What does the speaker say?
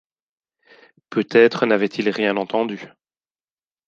Peut-être n’avait-il rien entendu.